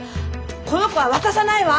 この子は渡さないわ！